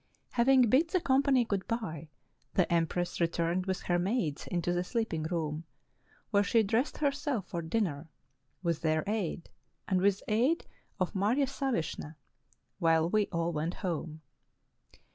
Having JDid the company good bye, the empress returned with her maids into the sleeping room, where she dressed herself for dinner, with their aid and with the aid of Marya Savishna, while we all went home.